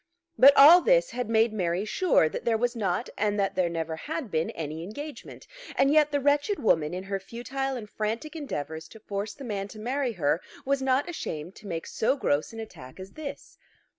But all this had made Mary sure that there was not and that there never had been any engagement; and yet the wretched woman, in her futile and frantic endeavours to force the man to marry her, was not ashamed to make so gross an attack as this!